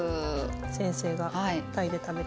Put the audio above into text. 先生がタイで食べて。